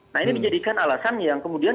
nah ini dijadikan alasan yang kemudian